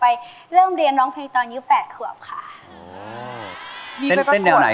ถ้าพร้อมแล้วขอเชิญพบกับคุณลูกบาท